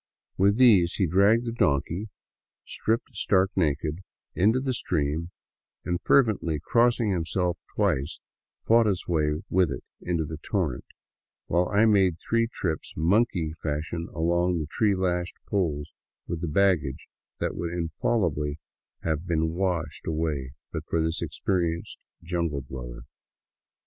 With these he dragged the donkey, stripped stark naked, into the stream and, fer vently crossing himself twice, fought his way with it into the torrent; while I made three trips mbnkey fashion along the tree lashed poles with the baggage that would infallibly have been washed away but for this experienced jungle dweller.